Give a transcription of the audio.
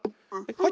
はい。